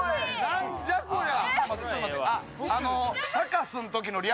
なんじゃこりゃ！